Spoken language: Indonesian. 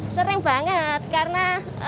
sering banget karena